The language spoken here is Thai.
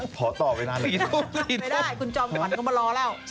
ขอต่อเวลานี้ไม่ได้คุณจอมขวัญก็มารอแล้ว